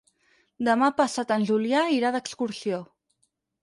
Demà passat en Julià irà d'excursió.